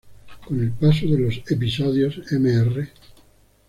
Con el paso de los episodios, Mr.